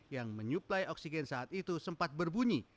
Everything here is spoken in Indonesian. yang menyuplai oksigen saat itu sempat berbunyi